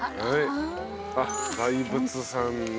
あっ大佛さんが。